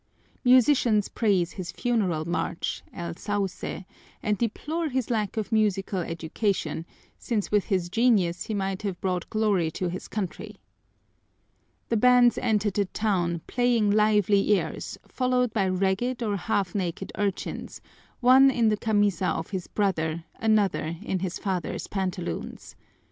Musicians praise his funeral march, "El Sauce," and deplore his lack of musical education, since with his genius he might have brought glory to his country. The bands enter the town playing lively airs, followed by ragged or half naked urchins, one in the camisa of his brother, another in his father's pantaloons.